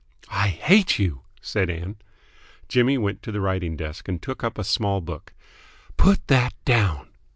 "I hate you!" said Ann. Jimmy went to the writing desk and took up a small book. "Put that down!"